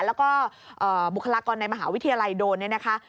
แล้วก็บุคลากรในมหาวิทยาลัยโดนเนี่ยนะคะ